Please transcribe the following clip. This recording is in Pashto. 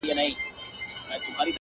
• د هوسیو د سویانو د پسونو -